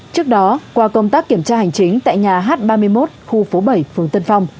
trước đó qua công tác kiểm tra hành chính tại nhà h ba mươi một khu phố bảy phường tân phong